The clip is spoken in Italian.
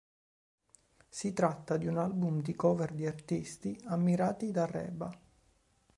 Si tratta di un album di cover di artisti ammirati da Reba.